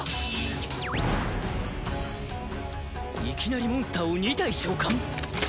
いきなりモンスターを２体召喚！？